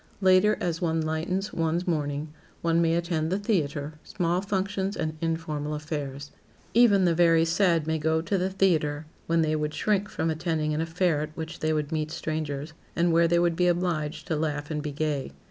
Later, as one lightens one's mourning, one may attend the theater, small functions and informal affairs. Even the very sad may go to the theater when they would shrink from attending an affair at which they would meet strangers and where they would be obliged to laugh and be gay.